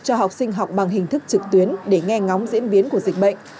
cho học sinh học bằng hình thức trực tuyến để nghe ngóng diễn biến của dịch bệnh